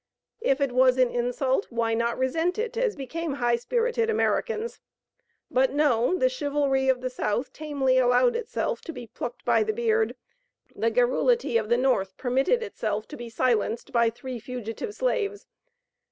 If it was an insult, why not resent it, as became high spirited Americans? But no; the chivalry of the South tamely allowed itself to be plucked by the beard; the garrulity of the North permitted itself to be silenced by three fugitive slaves....